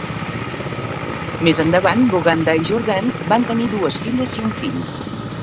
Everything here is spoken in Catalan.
Més endavant Boganda i Jourdain van tenir dues filles i un fill.